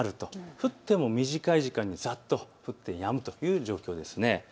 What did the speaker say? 降っても短い時間にざっと降ってやむという状況です。